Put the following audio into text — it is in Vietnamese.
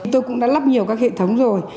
tôi cũng đã lắp nhiều các hệ thống rồi